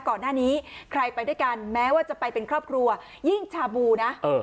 ก่อนหน้านี้ใครไปด้วยกันแม้ว่าจะไปเป็นครอบครัวยิ่งชาบูนะ